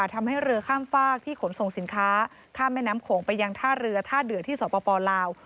ทำให้เรือข้ามฝากที่ขนส่งสินค้าข้ามแม่น้ำโขงไปยังท่าเรือท่าเดือที่สปลาว